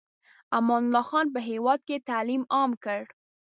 امان الله خان په هېواد کې تعلیم عام کړ.